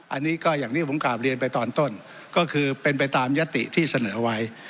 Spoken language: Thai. อันนี้ก็อย่างที่ผมกลับเรียนไปตอนต้นก็คือเป็นไปตามยติที่เสนอไว้